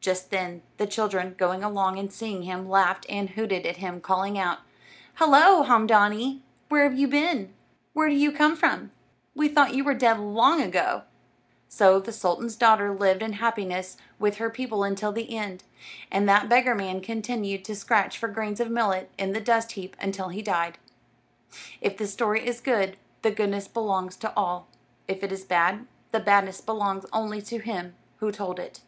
Just then the children going along, and seeing him, laughed and hooted at him, calling out: "Hullo, Haamdaanee, where have you been? Where do you come from? We thought you were dead long ago." So the sultan's daughter lived in happiness with her people until the end, and that beggar man continued to scratch for grains of millet in the dust heap until he died. If this story is good, the goodness belongs to all; if it is bad, the badness belongs only to him who told it.